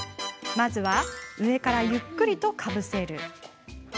まずは上からゆっくりかぶせる。